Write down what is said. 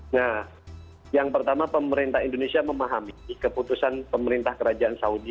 nah yang pertama pemerintah indonesia memahami keputusan pemerintah kerajaan saudi